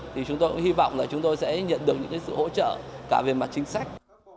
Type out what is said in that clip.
thì chúng tôi cũng hy vọng là chúng tôi sẽ nhận được những sự hỗ trợ cả về mặt chính sách